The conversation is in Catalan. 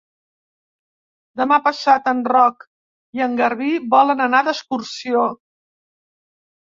Demà passat en Roc i en Garbí volen anar d'excursió.